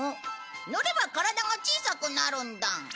乗れば体が小さくなるんだ。